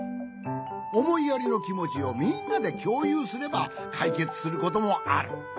おもいやりのきもちをみんなできょうゆうすればかいけつすることもある。